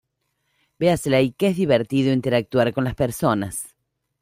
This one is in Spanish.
Beasley que es divertido interactuar con las personas.